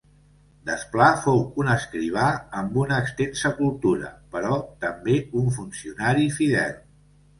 Desplà fou un escrivà amb una extensa cultura, però també un funcionari fidel.